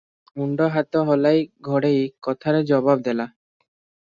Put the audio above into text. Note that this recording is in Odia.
ମୁଣ୍ଡ ହାତ ହଲାଇ ଘଡ଼େଇ କଥାରେ ଜବାବ ଦେଲା ।